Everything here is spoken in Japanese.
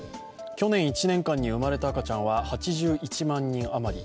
去年１年間に生まれた赤ちゃんは８１万人余り。